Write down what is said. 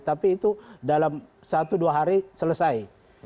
tapi itu dalam satu dua hari selesai